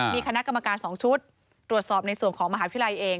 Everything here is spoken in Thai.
มีคณะกรรมการ๒ชุดตรวจสอบในส่วนของมหาวิทยาลัยเอง